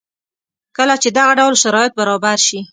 کله چې دغه ډول شرایط برابر شي